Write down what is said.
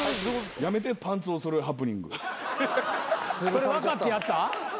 それ分かってやった？